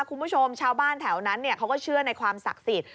คุณผู้ชมชาวบ้านแถวนั้นเขาก็เชื่อในความศักดิ์สิทธิ์